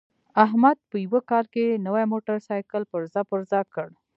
احمد په یوه کال کې نوی موټرسایکل پرزه پرزه کړ.